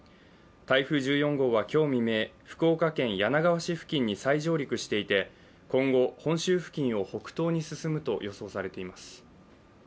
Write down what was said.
台風１４号は今日未明、福岡県柳川市付近に再上陸していて、今後、本州付近を北東に進むと予想されています。